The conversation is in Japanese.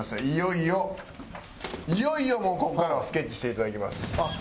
いよいよいよいよここからはスケッチして頂きます。